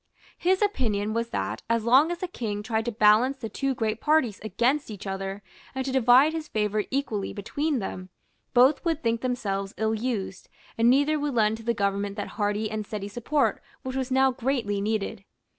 His opinion was that, as long as the King tried to balance the two great parties against each other, and to divide his favour equally between them, both would think themselves ill used, and neither would lend to the government that hearty and steady support which was now greatly needed.